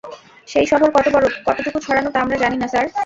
সেই শহর কত বড়, কতটুকু ছড়ানো তা আমরা জানি না স্যার।